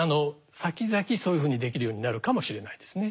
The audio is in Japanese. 先々そういうふうにできるようになるかもしれないですね。